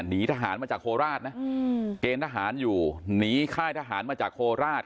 หนีทหารมาจากโคราชนะเกณฑ์ทหารอยู่หนีค่ายทหารมาจากโคราช